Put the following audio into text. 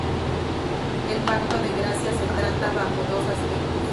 El pacto de gracia se trata bajo dos aspectos.